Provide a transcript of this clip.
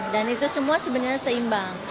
dan itu semua sebenarnya seimbang